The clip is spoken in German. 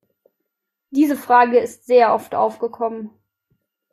Diese Frage ist sehr oft aufgekommen.